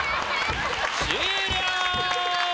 終了！